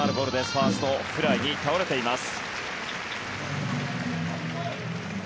ファーストフライに倒れています。